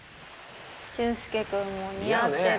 俊介君も似合ってる。